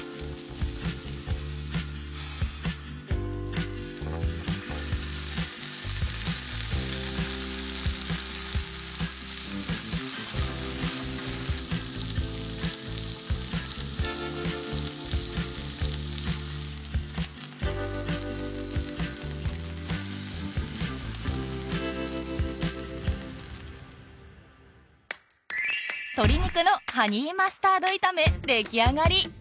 鶏肉のハニーマスタード炒め出来上がり！